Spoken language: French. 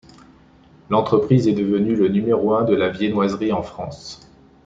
L'entreprise est devenue le numéro un de la viennoiserie en France.